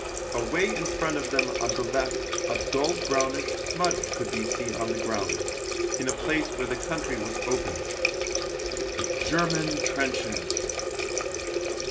Away in front of them on the left a dull brownish smudge could be seen on the ground — in a place where the country was open. The German trenches